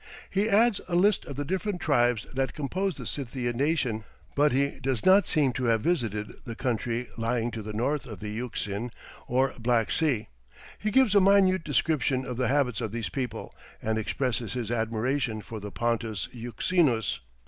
He adds a list of the different tribes that composed the Scythian nation, but he does not seem to have visited the country lying to the north of the Euxine, or Black Sea. He gives a minute description of the habits of these people, and expresses his admiration for the Pontus Euxinus.